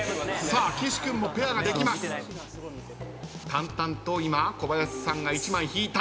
淡々と今小林さんが１枚引いた。